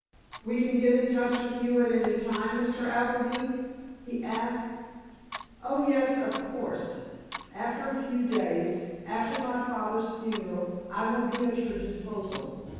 "We can get in touch with you at any time, Mr. Appleby?" he asked. "Oh, yes, of course. After a few days—after my father's funeral, I will be at your disposal.